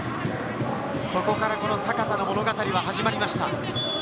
そこからこの阪田の物語が始まりました。